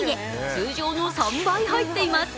通常の３倍、入っています。